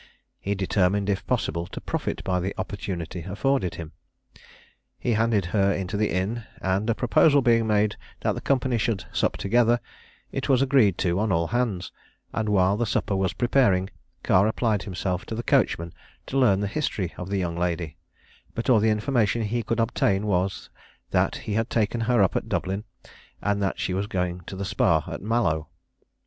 He determined, if possible, to profit by the opportunity afforded him. He handed her into the inn, and a proposal being made that the company should sup together, it was agreed to on all hands; and while the supper was preparing, Carr applied himself to the coachman to learn the history of the young lady; but all the information he could obtain was, that he had taken her up at Dublin, and that she was going to the Spa at Mallow.